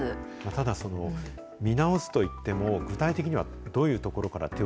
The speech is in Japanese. ただ、見直すといっても、具体的には、どういうところから手